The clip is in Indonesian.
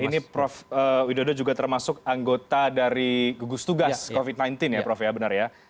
ini prof widodo juga termasuk anggota dari gugus tugas covid sembilan belas ya prof ya benar ya